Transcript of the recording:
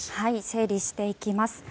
整理していきます。